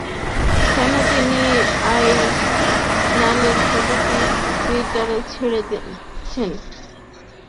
কেন তিনি আয়লানের ছবিটি টুইটারে ছেড়েছেন, সাক্ষাৎকারে নিলুফার দেমির তাঁর ব্যাখ্যা দিয়েছেন।